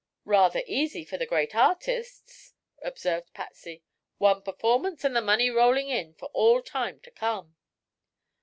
"Rather easy for the great artists!" observed Patsy. "One performance and the money rolling in for all time to come."